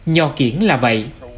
nho kiện là vậy